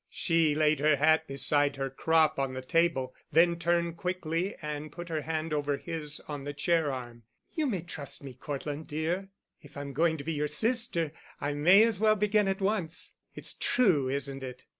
She laid her hat beside her crop on the table, then turned quickly and put her hand over his on the chair arm. "You may trust me, Cortland, dear. If I'm going to be your sister, I may as well begin at once. It's true, isn't it?"